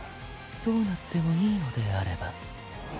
どうなってもいいのであれば